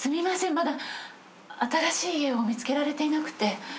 まだ新しい家を見つけられていなくて。